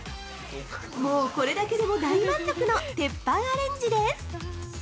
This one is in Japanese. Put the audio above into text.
もう、これだけでも大満足のテッパンアレンジです。